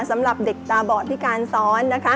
สำหรับเด็กตาเบาะที่การสอน